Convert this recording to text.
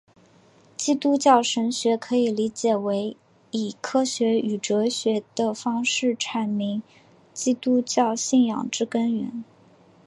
基督教神学可以理解为以科学与哲学的方式阐明基督教信仰之根源。